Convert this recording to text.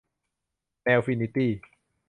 แมวฟินิตี้